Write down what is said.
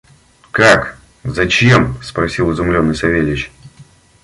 «Как! зачем?» – спросил изумленный Савельич.